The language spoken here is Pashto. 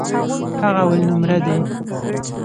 هغه اولنومره دی.